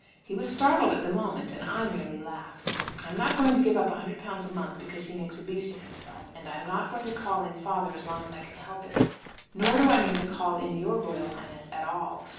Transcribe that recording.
He was startled at the moment, and I merely laughed. I'm not going to give up £100 a month because he makes a beast of himself; and I'm not going to call in father as long as I can help it; nor do I mean to call in your royal highness at all.